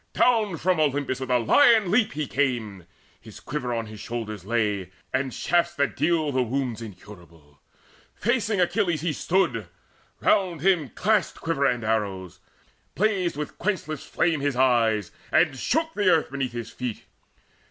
Down from Olympus with a lion leap He came: his quiver on his shoulders lay, And shafts that deal the wounds incurable. Facing Achilles stood he; round him clashed Quiver and arrows; blazed with quenchless flame His eyes, and shook the earth beneath his feet.